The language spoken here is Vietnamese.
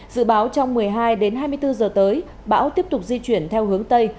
dự báo trong một mươi hai đến hai mươi bốn giờ tới bão tiếp tục di chuyển theo hướng tây